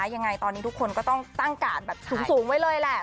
ยังไงตอนนี้ทุกคนก็ต้องตั้งการแบบสูงไว้เลยแหละ